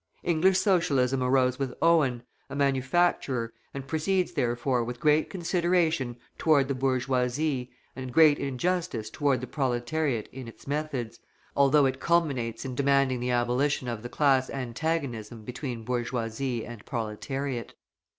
English Socialism arose with Owen, a manufacturer, and proceeds therefore with great consideration toward the bourgeoisie and great injustice toward the proletariat in its methods, although it culminates in demanding the abolition of the class antagonism between bourgeoisie and proletariat.